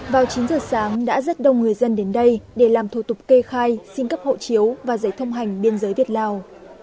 vào chín giờ sáng đã rất đông người dân đến đây để làm thủ tục kê khai xin cấp hộ chiếu và giấy thông hành biên giới việt lào